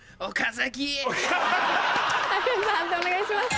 判定お願いします。